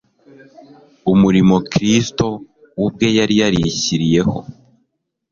umurimo Kristo ubwe yari yarishyiriyeho.